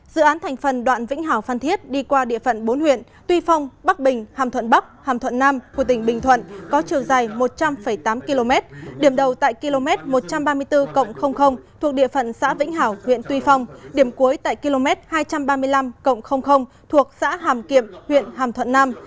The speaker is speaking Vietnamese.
dự án thành phần đoạn vĩnh hảo phan thiết đi qua địa phận bốn huyện tuy phong bắc bình hàm thuận bắc hàm thuận nam của tỉnh bình thuận có chiều dài một trăm linh tám km điểm đầu tại km một trăm ba mươi bốn thuộc địa phận xã vĩnh hảo huyện tuy phong điểm cuối tại km hai trăm ba mươi năm thuộc xã hàm kiệm huyện hàm thuận nam